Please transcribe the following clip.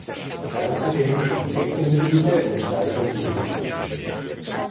Außerdem sind Seggenriede und Staudenfluren zu finden.